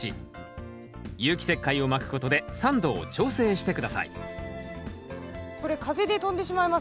有機石灰をまくことで酸度を調整して下さいこれ風で飛んでしまいますね。